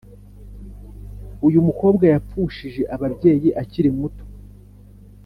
uyumukobwa, yapfushije ababyeyi akiri muto,